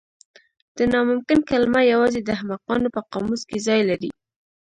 د ناممکن کلمه یوازې د احمقانو په قاموس کې ځای لري.